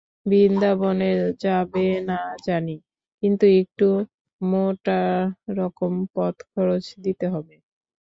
বৃন্দাবনে যাবে না জানি, কিন্তু একটু মোটারকম পথখরচ দিতে হবে।